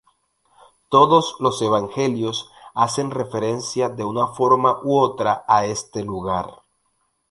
Todos los evangelios hacen referencia de una forma u otra a este lugar.